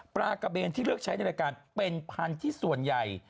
กระเบนที่เลือกใช้ในรายการเป็นพันธุ์ที่ส่วนใหญ่